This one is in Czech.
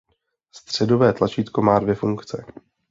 Středové tlačítko má dvě funkce.